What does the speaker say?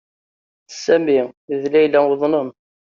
Sami d Layla uḍnen.